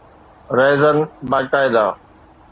Raisin باقاعده